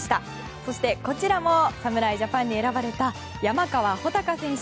そして、こちらも侍ジャパンに選ばれた山川穂高選手。